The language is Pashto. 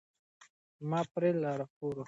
ما پرې له ارواپوه سره مرکه وکړه.